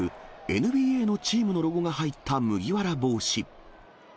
ＮＢＡのチームのロゴが入った麦わら帽子。